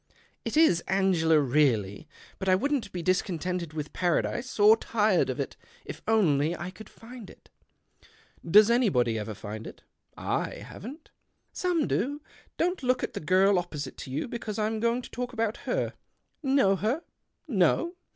"It is Angela, really. But I wouldn't be discontented with paradise, or tired of it — if only I could find it." " Does anybody ever find it ? 1 haven't." " Some do. Don't look at the girl opposite to you, because I'm going to talk about her. Know her ? No